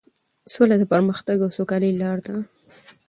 سوله د پرمختګ او سوکالۍ لاره ده.